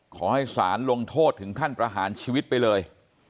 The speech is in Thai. ขอให้สารลงโทษถึงขั้นประหารชีวิตไปเลย